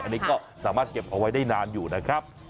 อันนี้ก็สามารถเก็บเอาไว้ได้นานอยู่นะครับ